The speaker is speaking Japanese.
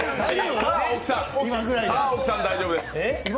さぁ、大木さん、大丈夫です。